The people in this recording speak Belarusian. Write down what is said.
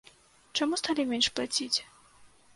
Чаму сталі менш плаціць?